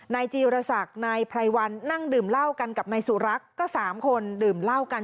นายจีรศักดิ์นายไพรวันนั่งดื่มเหล้ากันกับนายสุรักษ์ก็๓คนดื่มเหล้ากัน